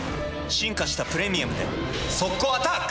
進化した「プレミアム」で速攻アタック！